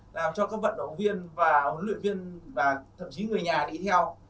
làm cho các vận động viên và huấn luyện viên và thậm chí người nhà đi theo